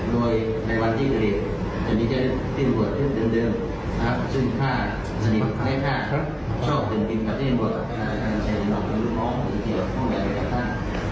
และชอบเป็นตีนปราทยีนรวดกับข้านายทาน